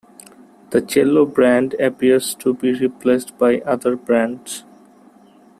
The chello brand appears to be replaced by other brands.